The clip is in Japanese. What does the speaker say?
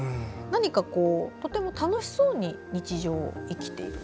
何かとても楽しそうに日常を生きている。